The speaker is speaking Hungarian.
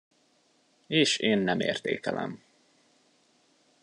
És én nem értékelem.